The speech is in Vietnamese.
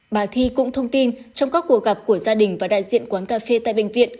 bà thi cũng thông tin trong các cuộc gặp của gia đình và đại diện quán cà phê tại bệnh viện